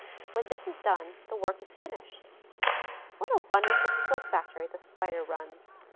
When this is done, the work is finished. What a wonderful silk factory the Spider runs!